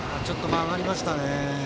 ちょっと曲がりましたね。